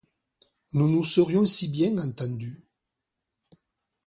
Nous nous serions si bien entendus!